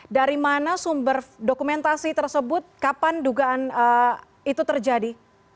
dari mana sumber dokumentasi tersebut kapan dugaan itu terjadi